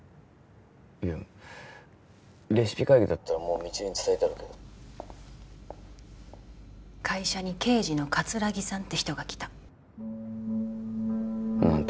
いやレシピ会議だったらもう未知留に伝えてあるけど会社に刑事の葛城さんって人が来た何て？